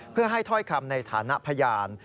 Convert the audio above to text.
เพื่อให้ถ้อยคำในฐานะพยาน